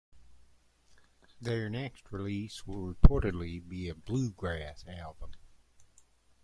Their next release will reportedly be a Bluegrass album.